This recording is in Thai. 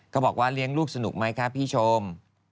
บอกว่าเลี้ยงลูกสนุกไหมคะพี่ชม